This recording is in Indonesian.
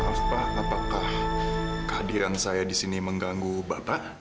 maaf pak apakah kehadiran saya di sini mengganggu bapak